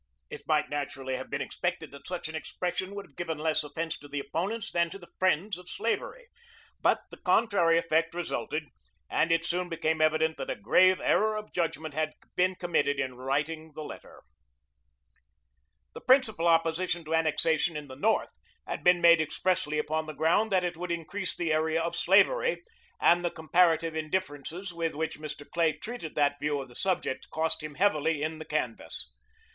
It might naturally have been expected that such an expression would have given less offense to the opponents than to the friends of slavery. But the contrary effect resulted, and it soon became evident that a grave error of judgment had been committed in writing the letter. [Sidenote: "American Conflict," p. 167.] The principal opposition to annexation in the North had been made expressly upon the ground that it would increase the area of slavery, and the comparative indifferences with which Mr. Clay treated that view of the subject cost him heavily in the canvass.